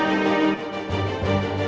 kau gak sudah tahu